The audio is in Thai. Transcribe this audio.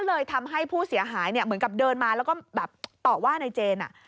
ก็เลยทำให้ผู้เสียหายเหมือนกับเดินมาแล้วก็ตอบว่านายเจน